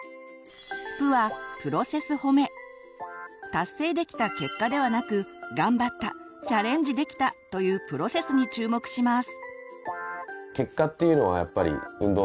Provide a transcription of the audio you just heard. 達成できた「結果」ではなくがんばったチャレンジできたという「プロセス」に注目します。